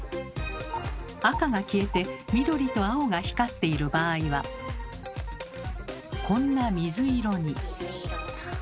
赤が消えて緑と青が光っている場合はこんな水色に。